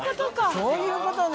そういうことね。